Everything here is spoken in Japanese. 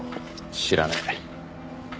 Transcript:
知らねえ。